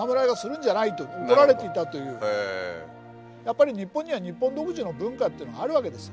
やっぱり日本には日本独自の文化っていうのがあるわけです。